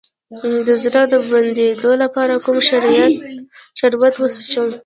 د زړه د بندیدو لپاره کوم شربت وڅښم؟